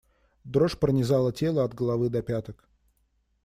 Дрожь пронизала тело от головы до пяток.